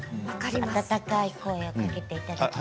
温かい声をかけていただいて。